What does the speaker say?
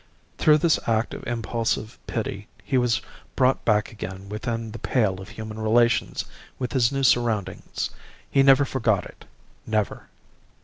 "Through this act of impulsive pity he was brought back again within the pale of human relations with his new surroundings. He never forgot it never.